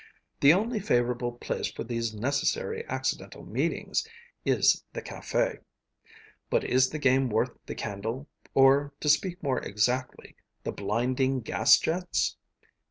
The only favorable place for these necessary accidental meetings is the café; but is the game worth the candle, or, to speak more exactly, the blinding gas jets?